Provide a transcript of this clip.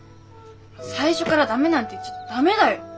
最初から駄目なんて言ってちゃ駄目だよ！